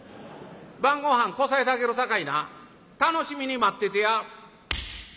晩ごはんこさえてあげるさかいな楽しみに待っててや」。